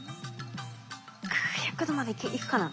１００℃までいくかな？